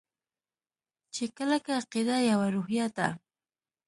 چې کلکه عقیده يوه روحیه ده.